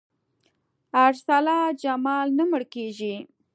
ارسلا جمال نه مړ کېږي.